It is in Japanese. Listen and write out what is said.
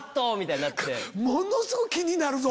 ものすごい気になるぞ。